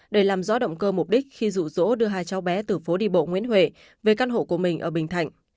để làm rõ động cơ mục đích khi rụ rỗ đưa hai cháu bé từ phố đi bộ nguyễn huệ về căn hộ của mình ở bình thạnh